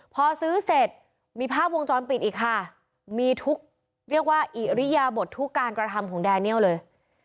พอซื้อเสร็จมีภาพวงจรปิดอีกค่ะมีทุกเรียกว่าอิริยาบททุกการกระทำของแดเนียลเลย